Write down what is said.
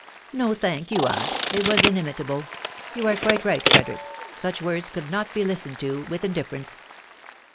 ' c No, thank you, aunty ..•. it was inimitable ! Yon are quite right, Frederick ; such words could not be listened to with in difference."